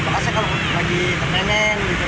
kayaknya enak banget gitu